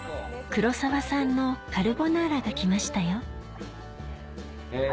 黒沢さんのカルボナーラが来ましたよへぇ。